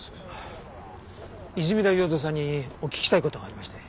泉田耀造さんにお聞きしたい事がありまして。